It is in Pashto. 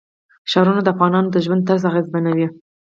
ښارونه د افغانانو د ژوند طرز اغېزمنوي.